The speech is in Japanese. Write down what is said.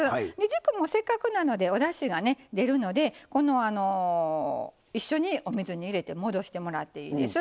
軸もせっかくなのでおだしが出るので一緒にお水に入れて戻してもらっていいです。